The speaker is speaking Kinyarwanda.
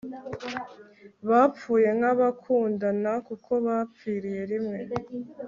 bapfuye nk'abakundana kuko bapfiriye rimwe